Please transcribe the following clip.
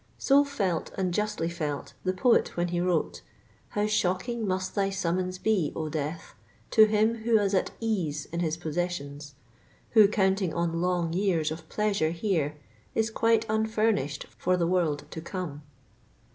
So felt and justly felt the poet when he wrote, « How shocking must thy summons be, O Death ! To him who is at ease in his possesnona , Who, counting on long years cf pleasure here^ Is quite unfurnished for the world to come."